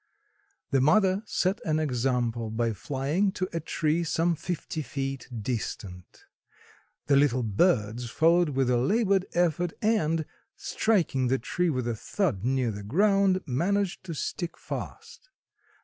The mother set an example by flying to a tree some fifty feet distant. The little birds followed with a labored effort and, striking the tree with a thud near the ground, managed to stick fast.